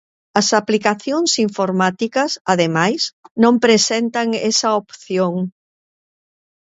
As aplicacións informáticas, ademais, non presentan esa opción.